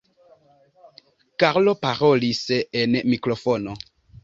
Karlo parolis en mikrofono.